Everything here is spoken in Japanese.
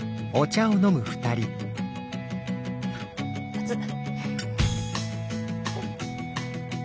熱っ。